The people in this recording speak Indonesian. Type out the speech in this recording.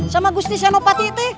sama gusti senopati itu